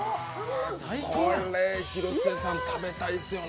これ、広末さん、食べたいですよね？